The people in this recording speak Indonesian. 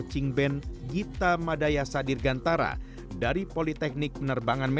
jelangku istri paling tersayang